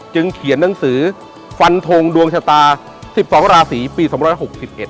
เขียนหนังสือฟันทงดวงชะตาสิบสองราศีปีสองร้อยหกสิบเอ็